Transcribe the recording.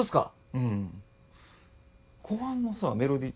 うん後半のさメロディー